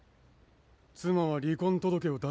妻は離婚届を出しに行った。